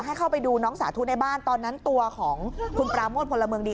ให้เข้าไปดูน้องสาธุในบ้านตอนนั้นตัวของคุณปราโมทพลเมืองดี